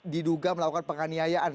diduga melakukan penganiayaan